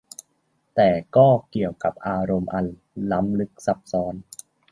แต่ก็เกี่ยวกับอารมณ์อันล้ำลึกซับซ้อน